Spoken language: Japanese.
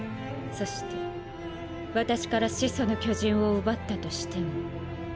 そして私から「始祖の巨人」を奪ったとしてもあなたでは。